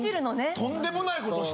とんでもないことした。